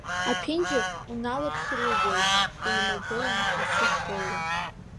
Аԥенџьыр уналыԥшны иубоит еимагылан асы шлеиуа.